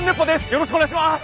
よろしくお願いします！